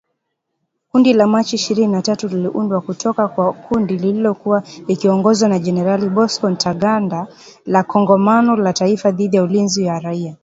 Kundi la Machi ishirini na tatu liliundwa kutoka kwa kundi lililokuwa likiongozwa na Jenerali Bosco Ntaganda, la kongamano la taifa dhidi ya ulinzi ya raia